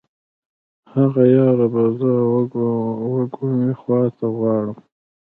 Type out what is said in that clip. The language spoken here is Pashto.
هغه یار به زه و کومې خواته غواړم.